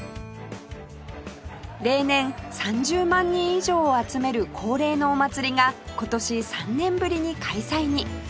例年３０万人以上を集める恒例のお祭りが今年３年ぶりに開催に